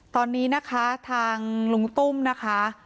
ตอนนี้นะคะทางลุงตุ้มนะคะ